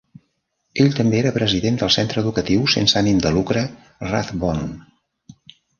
Ell també era president del centre educatiu sense ànim de lucre Rathbone.